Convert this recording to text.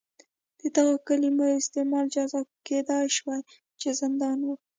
د دغو کلیمو استعمال جزا کېدای شوه چې زندان و.